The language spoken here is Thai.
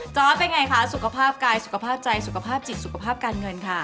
จอสเป็นไงคะสุขภาพก็ยที่สุขภาพธุรกิจสิทธิศิษฐิกภาพการเงิน